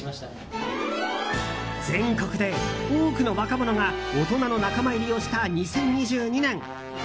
全国で多くの若者が大人の仲間入りをした２０２２年。